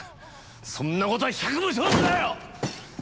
そんなことは百も承知だよ！